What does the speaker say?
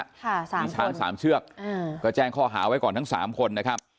มีช้างสามเชือกอืมก็แจ้งข้อหาไว้ก่อนทั้งสามคนนะครับ